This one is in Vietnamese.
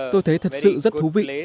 tôi thấy thật sự rất thú vị